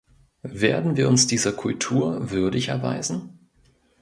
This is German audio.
Werden wir uns dieser Kultur würdig erweisen?